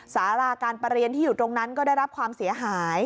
สาราการประเรียนที่อยู่ตรงนั้นก็ได้รับความเสียหาย